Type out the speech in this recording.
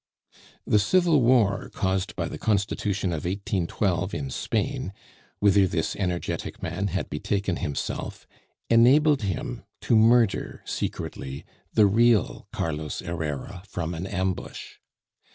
The civil war caused by the Constitution of 1812 in Spain, whither this energetic man had betaken himself, enabled him to murder secretly the real Carlos Herrera from an ambush.